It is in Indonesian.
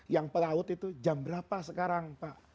yang pelaut itu jam berapa sekarang pak